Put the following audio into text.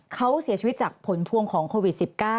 เขาเสียชีวิตจากผลพวงของโควิด๑๙